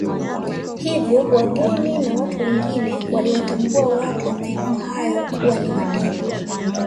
Hivyo wageni na watu wengine waliwatambua watu wa maeneo hayo kuwa ni Wadigo